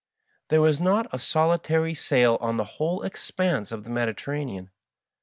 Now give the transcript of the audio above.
There was not a soli tary sail on the whole expanse of the Mediterranean.